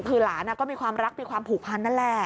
คือหลานก็มีความรักมีความผูกพันนั่นแหละ